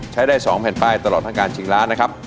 ใช้ได้๒แผ่นป้ายตลอดทั้งการชิงล้านนะครับ